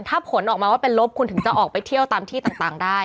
ถ้าผลออกมาว่าเป็นลบคุณถึงจะออกไปเที่ยวตามที่ต่างได้